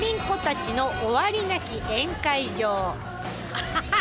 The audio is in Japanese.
アハハ！